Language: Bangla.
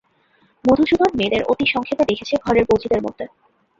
মধুসূদন মেয়েদের অতি সংক্ষেপে দেখেছে ঘরের বউঝিদের মধ্যে।